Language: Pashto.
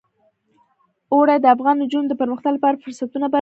اوړي د افغان نجونو د پرمختګ لپاره فرصتونه برابروي.